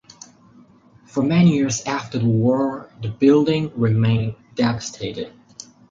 For many years after the war the building remained devastated.